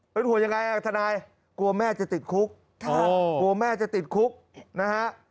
เป็นห่วงยังไงทนายกลัวแม่จะติดคุกกลัวแม่จะติดคุกนะฮะ